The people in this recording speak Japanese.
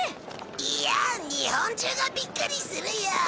いや日本中がびっくりするよ。